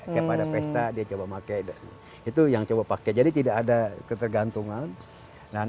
dia pada pesta dia coba pakai itu yang coba pakai jadi tidak ada ketergantungan